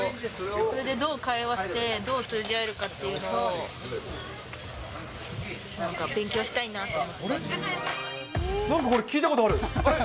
それでどう会話して、どう通じ合えるかっていうのを、なんか勉強なんかこれ、聞いたことある。